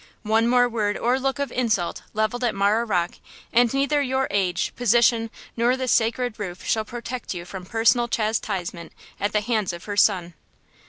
One more word or look of insult leveled at Marah Rocke and neither your age, position nor this sacred roof shall protect you from personal chastisement at the hands of her son!"